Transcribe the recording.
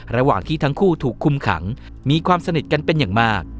ระหว่างที่ทั้งคู่ถูกคุมขังมีความสนิทกันเป็นอย่างมาก